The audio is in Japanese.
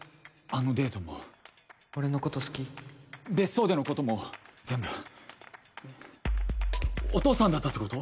あのデートも俺のこと好き？別荘でのことも全部お父さんだったってこと？